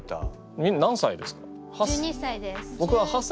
みんな何歳ですか？